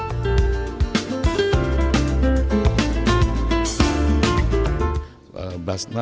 basnas bersama dengan badan amil zakat nasional